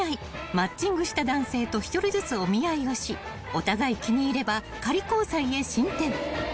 マッチングした男性と一人ずつお見合いをしお互い気に入れば仮交際へ進展］